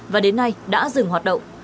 và đến nay đã dừng hoạt động